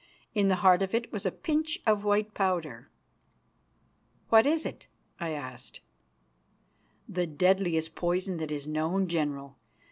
In the heart of it was a pinch of white powder. "What is it?" I asked. "The deadliest poison that is known, General.